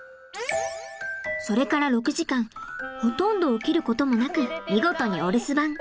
それから６時間ほとんど起きることもなく見事にお留守番。